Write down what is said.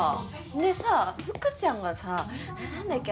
でさ福ちゃんがさなんだっけ？